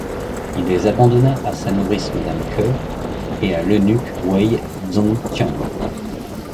Il les abandonna à sa nourrice Madame Ke et à l'eunuque Wei Zhongxian.